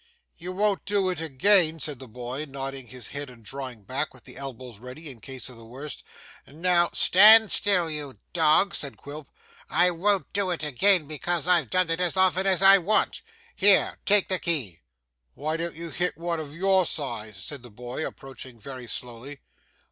'You won't do it agin,' said the boy, nodding his head and drawing back, with the elbows ready in case of the worst; 'now ' 'Stand still, you dog,' said Quilp. 'I won't do it again, because I've done it as often as I want. Here. Take the key.' 'Why don't you hit one of your size?' said the boy approaching very slowly.